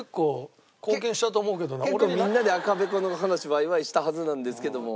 結構みんなで赤べこの話ワイワイしたはずなんですけども。